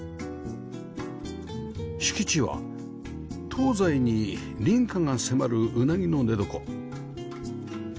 敷地は東西に隣家が迫るウナギの寝床